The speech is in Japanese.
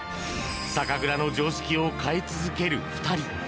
酒蔵の常識を変え続ける２人